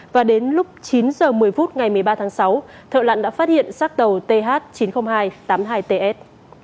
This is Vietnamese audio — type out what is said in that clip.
và đến lúc chín h một mươi phút ngày một mươi ba tháng sáu thợ lặn đã phát hiện sát tàu th chín mươi nghìn hai trăm tám mươi hai ts